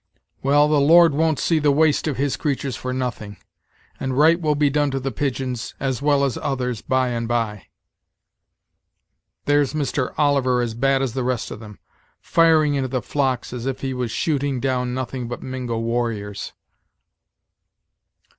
Well, the Lord won't see the waste of his creatures for nothing, and right will be done to the pigeons, as well as others, by and by. There's Mr. Oliver as bad as the rest of them, firing into the flocks as if he was shooting down nothing but Mingo warriors."